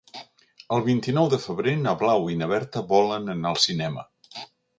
El vint-i-nou de febrer na Blau i na Berta volen anar al cinema.